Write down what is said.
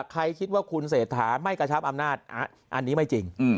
คิดว่าคุณเศรษฐาไม่กระชับอำนาจอันนี้ไม่จริง